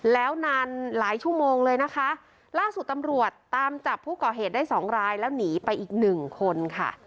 แล้วนานหลายชั่วโมงเลยนะคะล่าสุดตำรวจตามจับผู้ก่อเหตุได้สองรายแล้วหนีไปอีกหนึ่งคนค่ะ